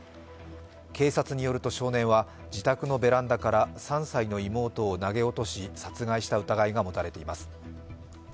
警察によると少年は自宅のベランダから３歳の妹を投げ落とし、殺害した疑いが持たれています。